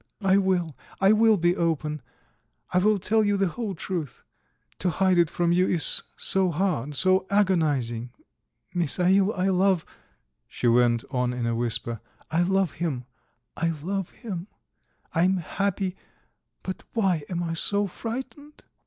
"I will, I will be open; I will tell you the whole truth. To hide it from you is so hard, so agonizing. Misail, I love ..." she went on in a whisper, "I love him ... I love him. ... I am happy, but why am I so frightened?"